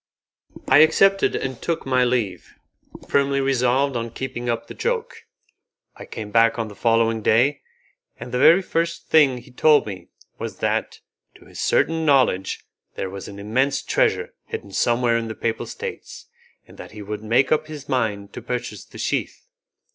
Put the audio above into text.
I accepted and took my leave, firmly resolved on keeping up the joke. I came back on the following day, and the very first thing he told me was that, to his certain knowledge, there was an immense treasure hidden somewhere in the Papal States, and that he would make up his mind to purchase the sheath.